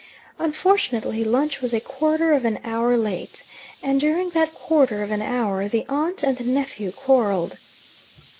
Unfortunately lunch was a quarter of an hour late, and during that quarter of an hour the aunt and the nephew quarrelled.